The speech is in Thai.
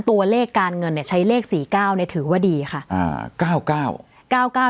ตัวเลขการเงินใช้เลข๔๙ถือว่าดีค่ะ